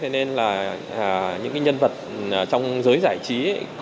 nên những nhân vật trong giới giải trí